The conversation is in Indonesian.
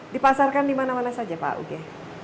dipasarkan di mana mana saja pak uge